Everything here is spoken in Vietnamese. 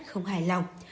không hài lòng